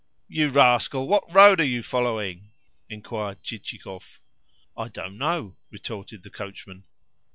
"You rascal, what road are you following?" inquired Chichikov. "I don't know," retorted the coachman.